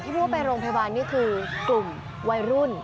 พูดว่าไปโรงพยาบาลนี่คือกลุ่มวัยรุ่น